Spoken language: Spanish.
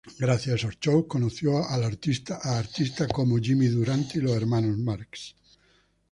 Gracias a esos shows conoció a artistas como Jimmy Durante y los Hermanos Marx.